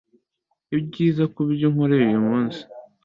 ibyiza ku byo unkoreye uyu munsi